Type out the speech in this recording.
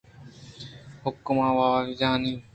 حُکماں واجہانی